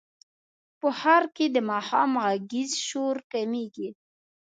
په ښار کې د ماښام غږیز شور کمېږي.